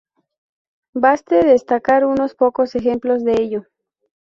Baste destacar unos pocos ejemplos de ello.